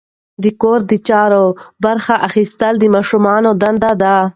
د کور د چارو برخه اخیستل د ماشومانو دنده ده.